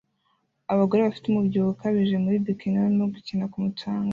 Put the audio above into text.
Abagore bafite umubyibuho ukabije muri bikini barimo gukina ku mucanga